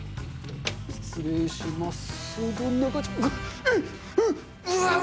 失礼します。